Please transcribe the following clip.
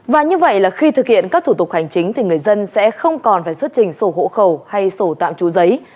và như vậy là khi thực hiện các thủ tục hành chính thì người dân sẽ không còn phải xuất trình sổ hộ khẩu hay sổ tạm trú giấy